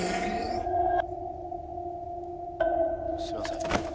「すいません」